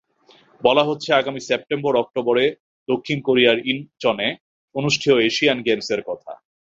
বলা হচ্ছে আগামী সেপ্টেম্বর-অক্টোবরে দক্ষিণ কোরিয়ার ইনচনে অনুষ্ঠেয় এশিয়ান গেমসের কথা।